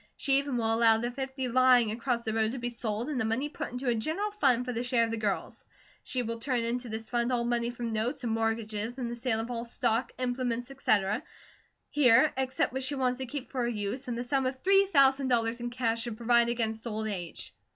She even will allow the fifty lying across the road to be sold and the money put into a general fund for the share of the girls. She will turn into this fund all money from notes and mortgages, and the sale of all stock, implements, etc., here, except what she wants to keep for her use, and the sum of three thousand dollars in cash, to provide against old age.